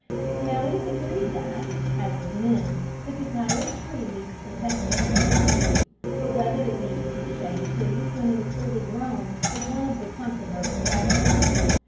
Now it is agreed that, as with men, the cacao tree needs protection in its youth, but whether it needs shade trees when it is fully grown is one of the controverted questions.